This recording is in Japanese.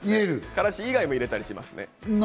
からし以外も入れたりします。